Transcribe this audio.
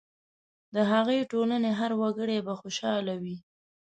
د هغې ټولنې هر وګړی به خوشاله وي.